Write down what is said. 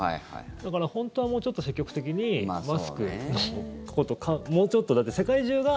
だから本当はもうちょっと積極的にマスクのことをもうちょっとだって世界中が。